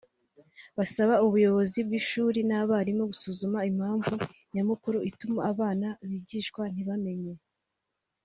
basaba ubuyobozi bw’ishuri n’abarimu gusuzuma impamvu nyamukuru ituma abana bigishwa ntibamenye